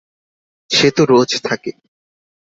সে তো রোজ থাকে।